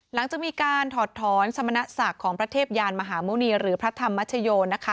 หลังจากมีการถอดถอนสมณศักดิ์ของพระเทพยานมหาหมุณีหรือพระธรรมชโยนะคะ